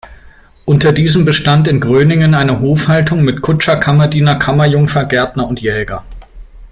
Unter diesen bestand in Gröningen eine Hofhaltung mit Kutscher, Kammerdiener, Kammerjungfer, Gärtner und Jäger.